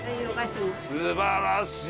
すばらしい。